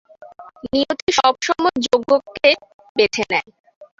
নিয়তি সবসময় যোগ্যকে বেছে নেয়।